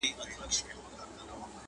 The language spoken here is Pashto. له مودو وروسته پر ښو خوړو مېلمه وو!